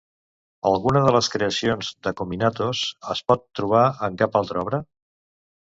Alguna de les creacions d'Akominatos es pot trobar en cap altra obra?